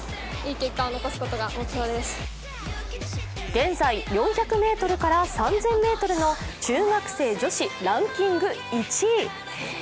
現在、４００ｍから３０００ｍの中学生女子ランキング１位。